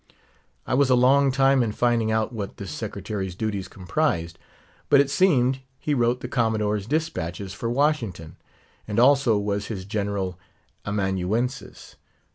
I was a long time in finding out what this secretary's duties comprised. But it seemed, he wrote the Commodore's dispatches for Washington, and also was his general amanuensis.